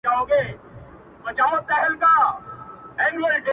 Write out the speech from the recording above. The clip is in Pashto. گيلاس خالي دی او نن بيا د غم ماښام دی پيره.